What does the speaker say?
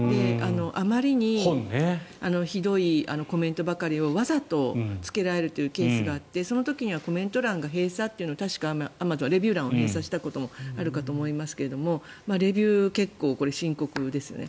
あまりにひどいコメントばかりをわざとつけられるというケースがあってその時にはコメント欄が閉鎖というのが確かアマゾンはレビュー欄を閉鎖したこともあるかと思いますがレビュー結構これは深刻ですよね。